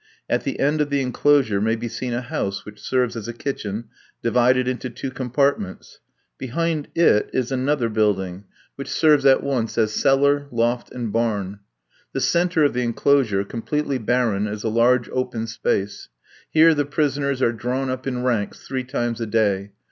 At the end of the enclosure may be seen a house, which serves as a kitchen, divided into two compartments. Behind it is another building, which serves at once as cellar, loft, and barn. The centre of the enclosure, completely barren, is a large open space. Here the prisoners are drawn up in ranks, three times a day.